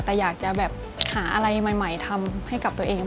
แต่อยากจะแบบหาอะไรใหม่ทำให้กับตัวเอง